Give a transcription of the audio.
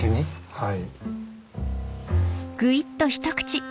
はい。